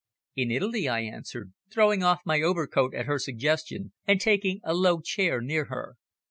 "In Italy," I answered, throwing off my overcoat at her suggestion, and taking a low chair near her.